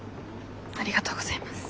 ありがとうございます。